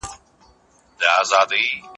تعلیم به ټولنه بدله کړې وي.